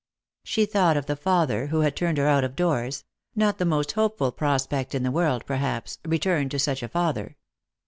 She thought of the father who had turned her out of doors — not the most hopeful prospect in the world, perhaps, return to such a father.